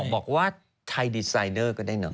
บอกว่าไทยดีไซเดอร์ก็ได้เนอ